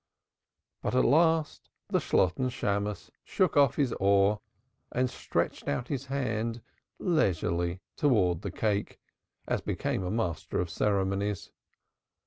But at last the Shalotten Shammos shook off his awe and stretched out his hand leisurely towards the cake, as became the master of ceremonies.